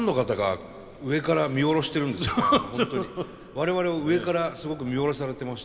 我々は上からすごく見下ろされてます。